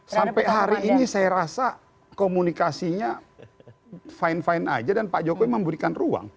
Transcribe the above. sampai hari ini saya rasa komunikasinya fine fine aja dan pak jokowi memberikan ruang